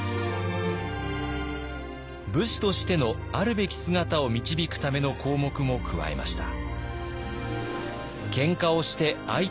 武士としてのあるべき姿を導くための項目も加えました。